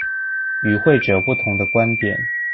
與會者不同的觀點